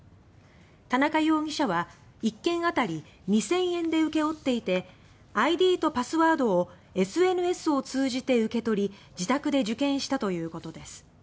田中容疑者は１件あたり２０００円で請け負っていてＩＤとパスワードをＳＮＳを通じて受け取り自宅で受験したということです。